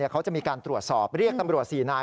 เขาจะมีการตรวจสอบเรียกตำรวจ๔นาย